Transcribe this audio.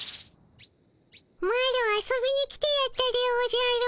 マロ遊びに来てやったでおじゃる。